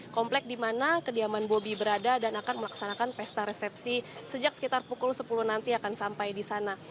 komplek dimana kediaman bobi berada dan akan melaksanakan pesta resepsi sejak sekitar pukul sepuluh nanti akan sampai disana